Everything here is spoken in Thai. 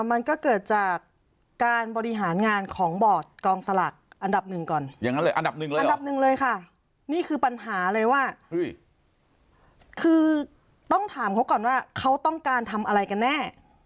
อันดับหนึ่งเลยอ่ะอันดับหนึ่งเลยค่ะนี่คือปัญหาเลยว่าคือต้องถามเขาก่อนว่าเขาต้องการทำอะไรกันแน่